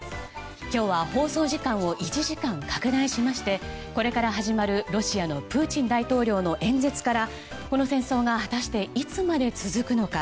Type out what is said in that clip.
今日は放送時間を１時間拡大しましてこれから始まるロシアのプーチン大統領の演説からこの戦争が果たしていつまで続くのか。